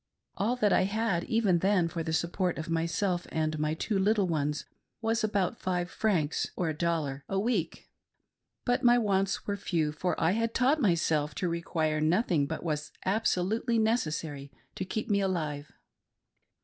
All that I had, even then, for the support of myself and my two little ones was about five francs (;^i) a week, but my wants were few, for I had taught myself to require no«Jiing but what was absolutely necessary to keep me alive.